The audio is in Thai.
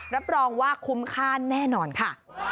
รับรองว่าคุ้มค่าแน่นอนค่ะ